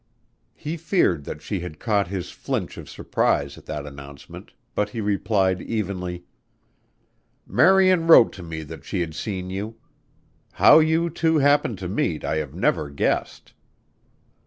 He feared that she had caught his flinch of surprise at that announcement but he replied evenly: "Marian wrote to me that she had seen you. How you two happened to meet, I have never guessed."